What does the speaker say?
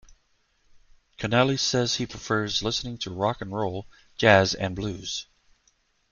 Connelly says he prefers listening to rock and roll, jazz, and blues.